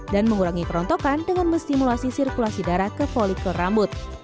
dan mengurangi kerontokan dengan memstimulasi sirkulasi darah ke folikel rambut